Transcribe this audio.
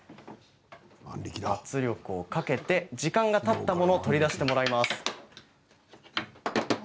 圧力をかけて時間がたったものを取り出してもらいます。